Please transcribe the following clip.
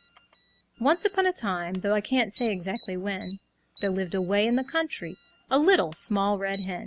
Once upon a time, Though I can't say exactly when, There lived, away in the country, A Little Small Red Hen.